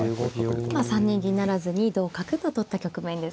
今３二銀不成に同角と取った局面です。